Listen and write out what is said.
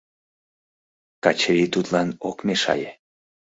Качырий тудлан ок мешае.